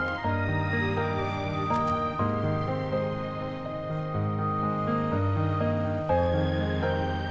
ya udah aku mau ke rumah